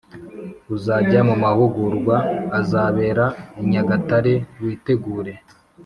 uzajya mu mahugurwa azabera inyagatare witegure